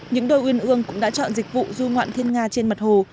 những đôi uyên ương cũng đã chọn dịch vụ du ngoạn thiên nga trên mặt hồ